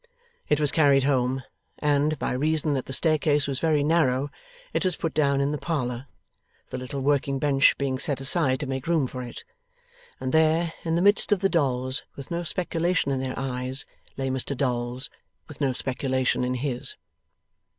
It was carried home, and, by reason that the staircase was very narrow, it was put down in the parlour the little working bench being set aside to make room for it and there, in the midst of the dolls with no speculation in their eyes, lay Mr Dolls with no speculation in his.